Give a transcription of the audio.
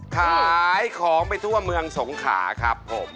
ขายของไปทั่วเมืองสงขาครับผม